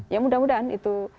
ya mudah mudahan itu